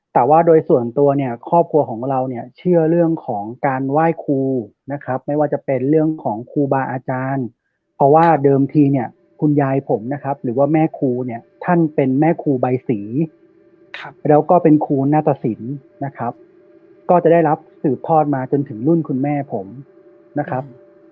แต่ว่าโดยส่วนตัวเนี่ยครอบครัวของเราเนี่ยเชื่อเรื่องของการไหว้ครูนะครับไม่ว่าจะเป็นเรื่องของครูบาอาจารย์เพราะว่าเดิมทีเนี่ยคุณยายผมนะครับหรือว่าแม่ครูเนี่ยท่านเป็นแม่ครูใบศรีแล้วก็เป็นครูนาตสินนะครับก็จะได้รับสืบทอดมาจนถึงรุ่นคุณแม่ผมนะครับ